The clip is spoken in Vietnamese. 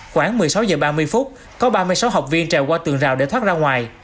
khoảng một mươi sáu h ba mươi phút có ba mươi sáu học viên trèo qua tường rào để thoát ra ngoài